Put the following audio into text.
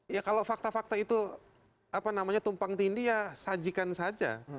ya kalau fakta fakta itu apa namanya tumpang tindih ya sajikan saja